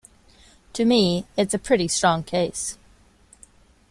To me, it's a pretty strong case.